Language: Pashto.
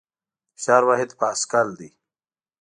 د فشار واحد پاسکل دی.